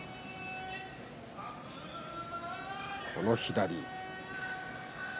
この左。